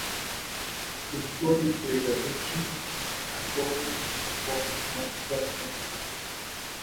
O florescer das orquídeas acolhem e confortam os nossos corações.